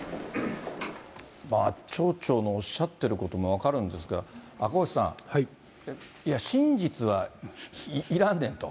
町長のおっしゃってることも分かるんですが、赤星さん、真実はいらんねんと。